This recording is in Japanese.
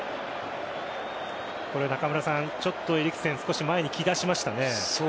これはちょっと、エリクセン少し前に来だしましたね。